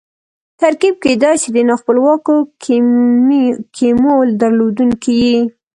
ترکیب کېدای سي د نا خپلواکو کیمو درلودونکی يي.